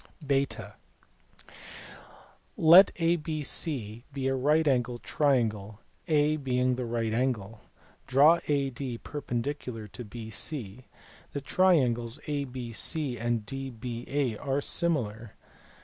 (/3) Let ABC be a right angled triangle, A being the right angle. Draw AD perpendicular to BC. The triangles ABC and DBA are similar